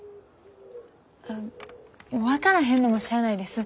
あ分からへんのもしゃあないです。